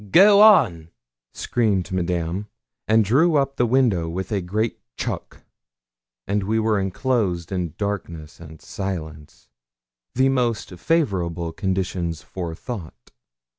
'Go on,' screamed Madame, and drew up the window with a great chuck; and we were enclosed in darkness and silence, the most favourable conditions for thought.